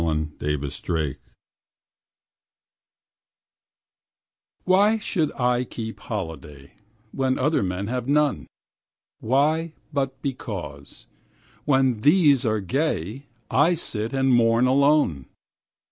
COMPENSATION Why should I keep holiday When other men have none? Why but because, when these are gay, I sit and mourn alone?